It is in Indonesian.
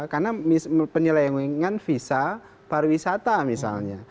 karena penyelewengan visa pariwisata misalnya